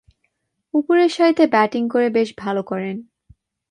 উপরের সারিতে ব্যাটিং করে বেশ ভালো করেন।